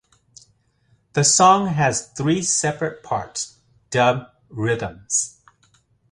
The song has three separate parts dubbed Rhythms.